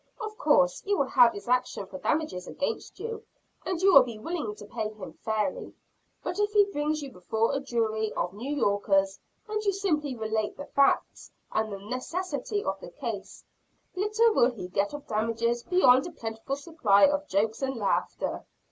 Of course he will have his action for damages against you, and you will be willing to pay him fairly, but if he brings you before a jury of New Yorkers, and you simply relate the facts, and the necessity of the case, little will he get of damages beyond a plentiful supply of jokes and laughter.